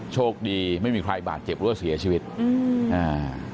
โชคดีไม่มีใครบาดเจ็บหรือว่าเสียชีวิตอืมอ่า